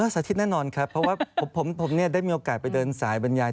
สาธิตแน่นอนครับเพราะว่าผมได้มีโอกาสไปเดินสายบรรยาย